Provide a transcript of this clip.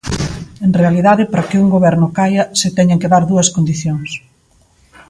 En realidade para que un goberno caia se teñen que dar dúas condicións.